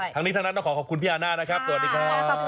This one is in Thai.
ทั้งนี้ทั้งนั้นต้องขอขอบคุณพี่อาน่านะครับสวัสดีครับ